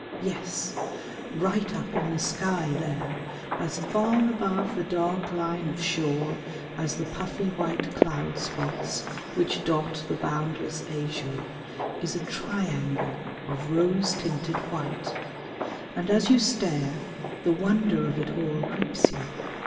Yes! right up in the sky there, as far above the dark line of shore as the puffy white cloud spots which dot the boundless azure, is a triangle of rose tinted white; and as you stare the wonder of it all grips you.